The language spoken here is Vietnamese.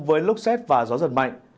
với lốc xét và gió giật mạnh